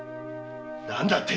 何だって！？